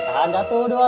tahan dah satu dua tiga